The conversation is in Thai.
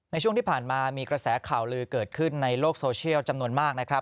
ในช่วงที่ผ่านมามีกระแสข่าวลือเกิดขึ้นในโลกโซเชียลจำนวนมากนะครับ